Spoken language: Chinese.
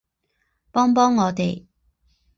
帮帮我们